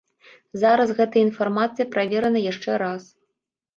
Зараз гэтая інфармацыя праверана яшчэ раз.